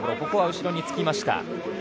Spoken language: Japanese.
ここは後につきました。